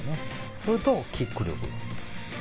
それとキック力。